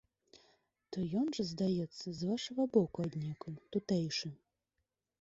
То ён жа, здаецца, з вашага боку аднекуль, тутэйшы.